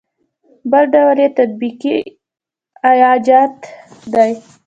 بل ډول یې تطبیقي ایجاد دی.